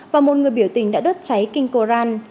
và một người biểu tình đã đốt cháy king koran